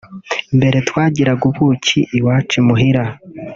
Mbere twagiraga ubuki iwacu imuhira